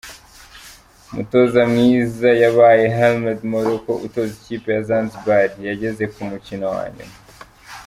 Umutoza mwiza yabaye Hemed Morocco utoza ikipe ya Zanzibar yageze ku mukino wa nyuma.